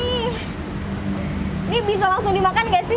ini bisa langsung dimakan gak sih